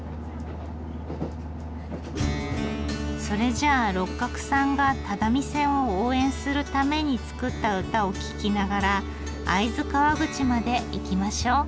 それじゃあ六角さんが只見線を応援するために作った歌を聴きながら会津川口まで行きましょう。